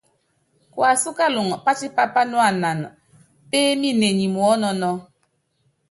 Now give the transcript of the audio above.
Kuasú kaluŋɔ, patipá panuanan pééminenyi muɔ́nɔnɔ́.